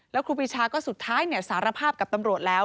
แล้วครูปีชาก็สุดท้ายสารภาพกับตำรวจแล้ว